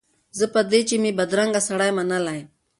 زه په دې چي مي بدرنګ سړی منلی